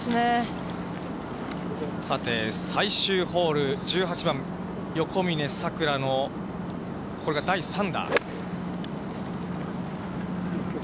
さて、最終ホール、１８番、横峯さくらの、これが第３打。